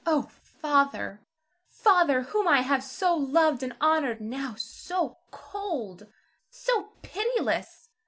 Oh, Father, Father, whom I have so loved and honored, now so cold, so pitiless.